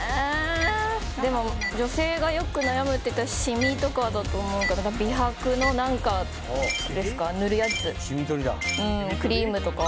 女性がよく悩むっていったらシミとかだと思うから美白の何かですか。